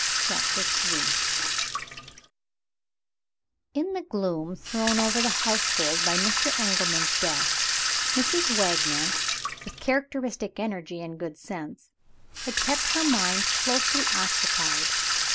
CHAPTER III In the gloom thrown over the household by Mr. Engelman's death, Mrs. Wagner, with characteristic energy and good sense, had kept her mind closely occupied.